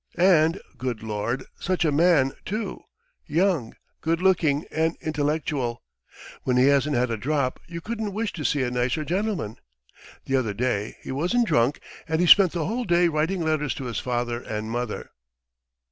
And, good Lord, such a man, too! Young, good looking and intellectual. ... When he hasn't had a drop you couldn't wish to see a nicer gentleman. The other day he wasn't drunk and he spent the whole day writing letters to his father and mother."